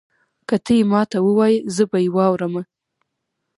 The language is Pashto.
که تۀ یې ماته ووایي زه به یې واورمه.